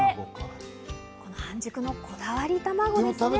この半熟のこだわり卵ですよね。